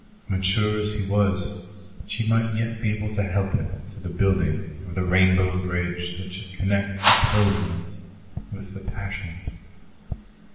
Mature as he was, she might yet be able to help him to the building of the rainbow bridge that should connect the prose in us with the passion.